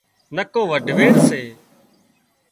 نڪو وڍويڙ سي